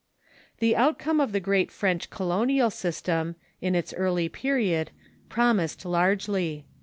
The outcome of the great French colonial system, in its early period, promised largely.